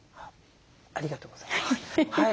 ありがとうございます。